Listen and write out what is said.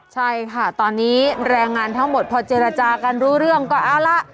ใช่ค่ะตอนนี้แรงงานทั้งหมดพอเจรจากันรู้เรื่องก็เอาละ